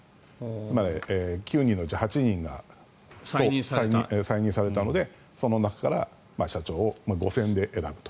つまり、９人のうち８人が再任されたのでその中から社長を互選で選ぶと。